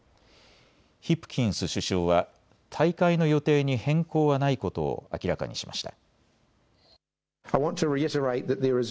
ヒプキンス首相は大会の予定に変更はないことを明らかにしました。